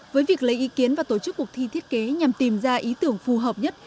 với việc lấy ý kiến và tổ chức cuộc thi thiết kế nhằm tìm ra ý tưởng phù hợp nhất